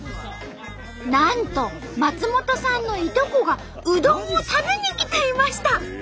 なんと松本さんのいとこがうどんを食べに来ていました。